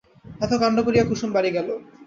এত কাণ্ড করিয়া কুসুম বাড়ি গেল।